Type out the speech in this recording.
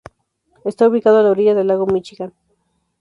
Está ubicada a la orilla del lago Míchigan.